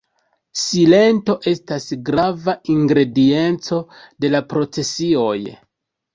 Silento estas grava ingredienco de la procesioj.